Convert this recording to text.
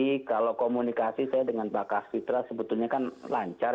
jadi kalau komunikasi saya dengan pak kapitra sebetulnya kan lancar